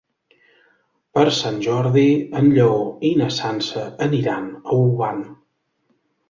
Per Sant Jordi en Lleó i na Sança aniran a Olvan.